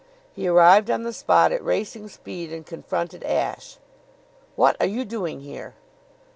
He arrived on the spot at racing speed and confronted Ashe. "What are you doing here?"